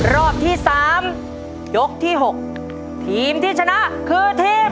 รอบที่๓ยกที่๖ทีมที่ชนะคือทีม